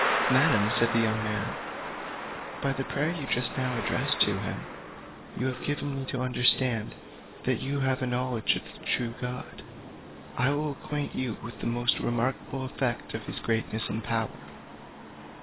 "Madam," said the young man, "by the prayer you just now addressed to him, you have given me to understand that you have a knowledge of the true God. I will acquaint you with the most remarkable effect of his greatness and power.